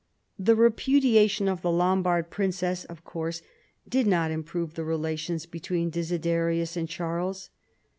The repudiation of the Lombard princess of course did not improve the relations between Desiderius and Charles.